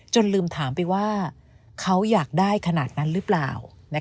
ลืมถามไปว่าเขาอยากได้ขนาดนั้นหรือเปล่า